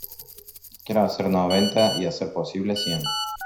Quiero hacer noventa y, a ser posible, cien.